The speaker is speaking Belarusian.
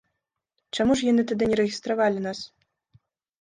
Чаму ж яны тады не рэгістравалі нас?